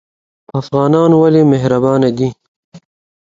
افغانان ولې مهربان دي؟